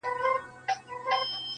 ته یې په مسجد او درمسال کي کړې بدل.